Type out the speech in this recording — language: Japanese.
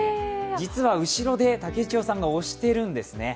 実は後ろで武智代さんが押しているんですね。